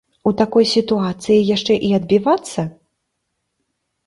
У такой сітуацыі яшчэ і адбівацца?